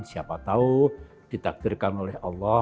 siapa tahu ditakdirkan oleh allah